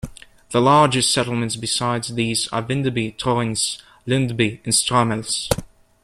The largest settlements besides these are Vindeby, Troense, Lundby and Strammelse.